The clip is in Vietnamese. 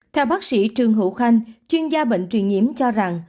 theo bác sĩ trương hữu khanh chuyên gia bệnh truyền nhiễm cho rằng